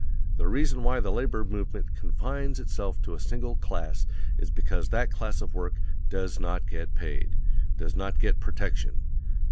The reason why the Labor movement confines itself to a single class is because that class of work _DOES NOT GET PAID, does not get protection.